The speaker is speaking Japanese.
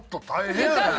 大変。